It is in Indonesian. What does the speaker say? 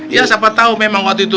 ya siapa tahu memang waktu itu